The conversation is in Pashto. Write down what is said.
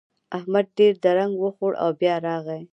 احمد ډېر درنګ وخوړ او بيا راغی.